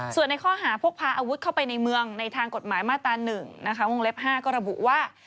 ส่วนในข้อหาพกพาอาวุธเข้าไปในเมืองในทางกฎหมายมาตรา๑นะคะวงเล็บ๕ก็ระบุว่า